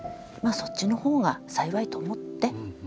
そっちのほうが幸いと思って。